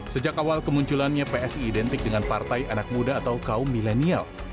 sejak awal kemunculannya psi identik dengan partai anak muda atau kaum milenial